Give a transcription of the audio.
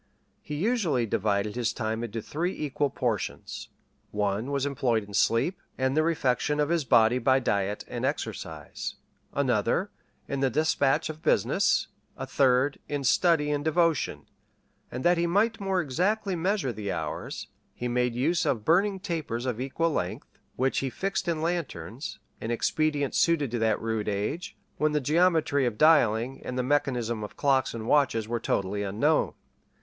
He usually divided his time into three equal portions: one was employed in sleep, and the refection of his body by diet and exercise; another, in the despatch of business; a third, in study and devotion; and that he might more exactly measure the hours, he made use of burning tapers of equal length, which he fixed in lanterns,[*] an expedient suited to that rude age, when the geometry of dialling, and the mechanism of clocks and watches, were totally unknown.